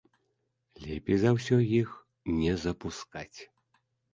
Лепей за ўсё іх не запускаць.